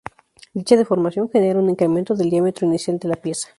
Dicha deformación genera un incremento del diámetro inicial de la pieza.